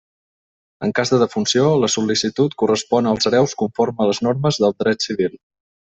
En cas de defunció, la sol·licitud correspon als hereus conforme a les normes del dret civil.